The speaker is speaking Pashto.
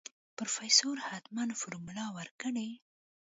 پروفيسر حتمن فارموله ورکړې.